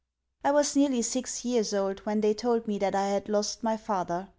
I was nearly six years old when they told me that I had lost my father.